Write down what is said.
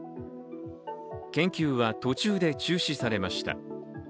研究は途中で中止されました。